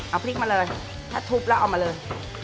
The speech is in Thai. เอาพริกมาเลยถ้าทุบแล้วเอามาเลย